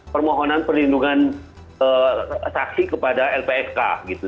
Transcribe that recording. permohonan perlindungan saksi kepada lpsk gitu